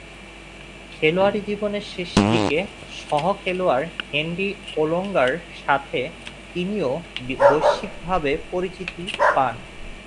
খেলোয়াড়ী জীবনের শেষদিকে সহ-খেলোয়াড় হেনরি ওলোঙ্গা’র সাথে তিনিও বৈশ্বিকভাবে পরিচিত পান।